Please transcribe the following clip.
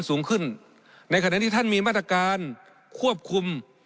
สูงขึ้นในขณะที่ท่านมีมาตรการควบคุม